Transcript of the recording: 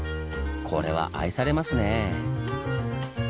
これは愛されますねぇ。